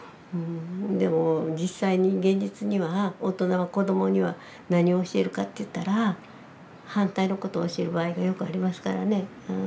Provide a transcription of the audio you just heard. でも実際に現実には大人は子どもには何を教えるかといったら反対のことを教える場合がよくありますからね。